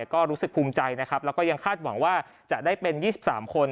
ก็รู้สึกภูมิใจนะครับแล้วก็ยังคาดหวังว่าจะได้เป็น๒๓คน